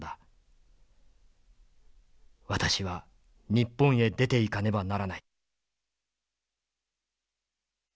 私は日本へ出ていかねばならない」。